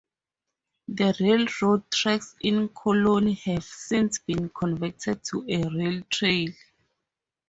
The railroad tracks in Colony have since been converted to a rail trail.